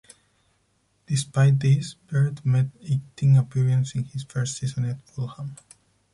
Despite this, Baird made eighteen appearance in his first season at Fulham.